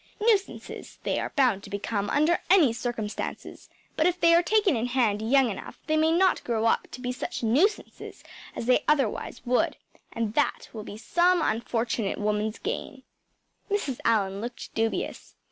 Nuisances they are bound to become under any circumstances; but if they are taken in hand young enough they may not grow up to be such nuisances as they otherwise would and that will be some unfortunate woman’s gain.‚ÄĚ Mrs. Allan looked dubious.